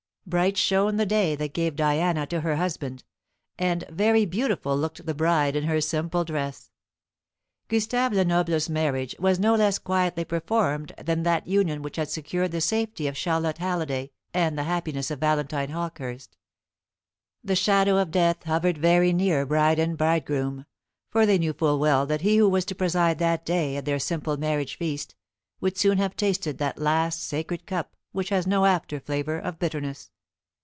Bright shone the day that gave Diana to her husband, and very beautiful looked the bride in her simple dress. Gustave Lenoble's marriage was no less quietly performed than that union which had secured the safety of Charlotte Halliday and the happiness of Valentine Hawkehurst. The shadow of death hovered very near bride and bridegroom; for they knew full well that he who was to preside that day at their simple marriage feast would soon have tasted that last sacred cup which has no after flavour of bitterness.